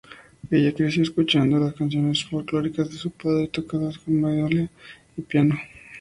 Ella creció escuchando las canciones folklóricas de su padre tocadas con mandolina y piano.